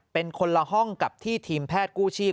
เป็นคนละห้องกับที่ทีมแพทย์กู้ชีพ